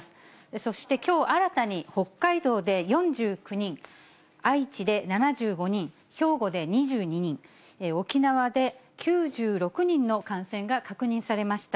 そしてきょう、新たに北海道で４９人、愛知で７５人、兵庫で２２人、沖縄で９６人の感染が確認されました。